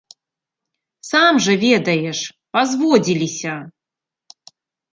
Сам жа ведаеш, пазводзіліся.